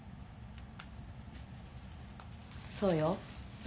そうよ。